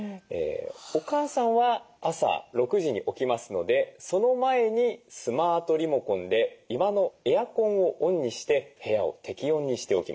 お母さんは朝６時に起きますのでその前にスマートリモコンで居間のエアコンをオンにして部屋を適温にしておきます。